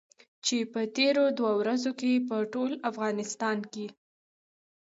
چې په تېرو دوو ورځو کې په ټول افغانستان کې.